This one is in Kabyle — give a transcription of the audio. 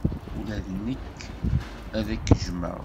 Ula d nekk ad k-jjmeɣ.